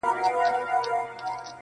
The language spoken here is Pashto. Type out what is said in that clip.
ژړا خــود نــــه ســـــــې كـــــــولاى.